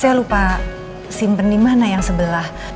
saya lupa simpen di mana yang sebelah